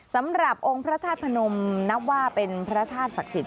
สำหรับองค์พระธาตุพนมนับว่าเป็นพระธาตุศักดิ์สิทธ